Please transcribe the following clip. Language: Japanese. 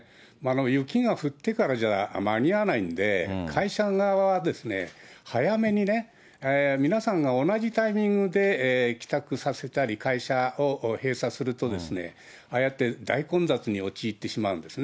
雪が降ってからじゃ間に合わないので、会社側は早めにね、皆さんが同じタイミングで帰宅させたり、会社を閉鎖すると、ああやって大混雑に陥ってしまうんですね。